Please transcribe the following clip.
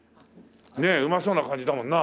ねえうまそうな感じだもんな。